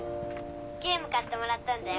ゲーム買ってもらったんだよ。